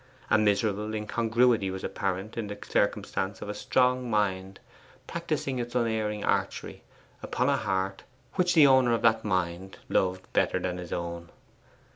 A miserable incongruity was apparent in the circumstance of a strong mind practising its unerring archery upon a heart which the owner of that mind loved better than his own.